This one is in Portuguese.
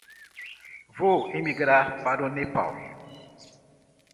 Vou emigrar para o Nepal.